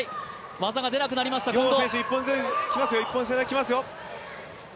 技が出なくなりました近藤。